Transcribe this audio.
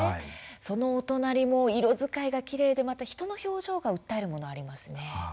そのお隣も色使いがきれいでまた、人の表情が訴えるものありますね。